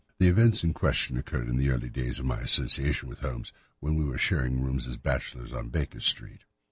The events in question occurred in the early days of my association with Holmes, when we were sharing rooms as bachelors in Baker Street.